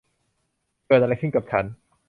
เกิดอะไรขึ้นกับฉัน